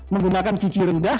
menggunakan gigi rendah